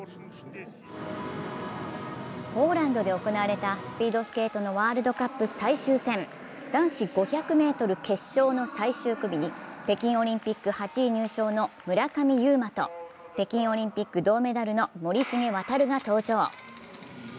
ポーランドで行われたスピードスケートのワールドカップ最終戦、男子５００ｍ決勝の最終組に北京オリンピック８位入賞の村上右磨と北京オリンピック銅メダルの森重航が登場。